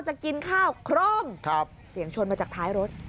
จะกินข้าวโครมเสียงชนมาจากท้ายรถ